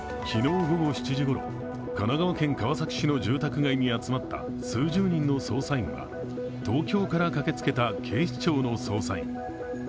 昨日午後７時ごろ、神奈川県川崎市の住宅街に集まった数十人の捜査員は東京から駆けつけた警視庁の捜査員。